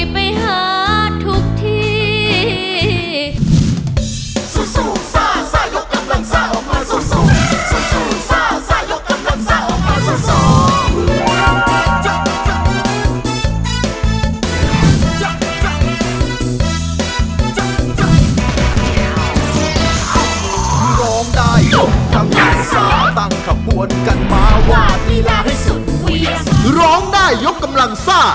ไปหาทุกที